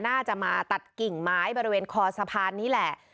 น่าจะมาตัดกิ่งไม้บริเวณคอสะพานนี้แหละ